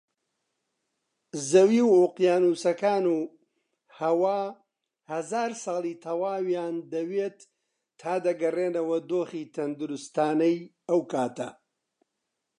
زەوی و ئۆقیانووسەکان و هەوا هەزار ساڵی تەواویان دەوێت تا دەگەڕێنەوە دۆخی تەندروستانەی ئەوکاتە